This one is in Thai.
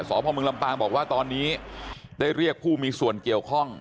สพมลำปางบอกว่าตอนนี้ได้เรียกผู้มีส่วนเกี่ยวข้อง